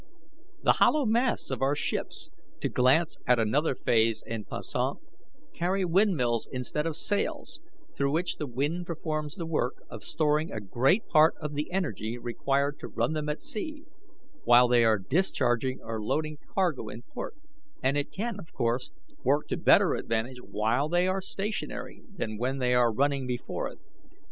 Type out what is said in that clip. "The hollow masts of our ships to glance at another phase en passant carry windmills instead of sails, through which the wind performs the work, of storing a great part of the energy required to run them at sea, while they are discharging or loading cargo in port; and it can, of course, work to better advantage while they are stationary than when they are running before it.